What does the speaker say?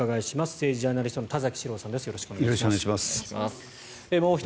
政治ジャーナリストの田崎史郎さんです。